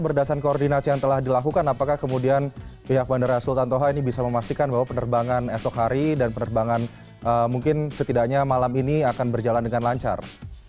berdasarkan koordinasi yang telah dilakukan apakah kemudian pihak bandara sultan toha ini bisa memastikan bahwa penerbangan esok hari dan penerbangan mungkin setidaknya malam ini akan berjalan dengan lancar